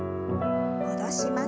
戻します。